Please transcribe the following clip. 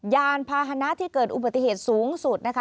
ยานภาษณะที่เกิดอุบัติเหตุสูงสุด